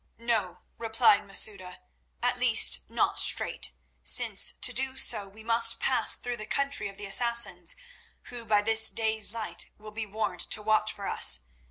"No," replied Masouda; "at least not straight, since to do so we must pass through the country of the Assassins, who by this day's light will be warned to watch for us.